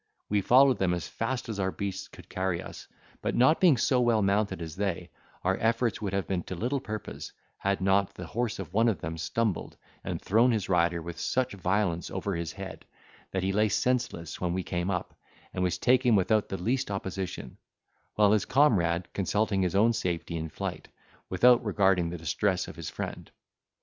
We followed them as fast as our beasts could carry us; but, not being so well mounted as they, our efforts would have been to little purpose, had not the horse of one of them stumbled, and thrown his rider with such violence over his head, that he lay senseless when we came up, and was taken without the least opposition; while his comrade consulted his own safety in flight, without regarding the distress of his friend.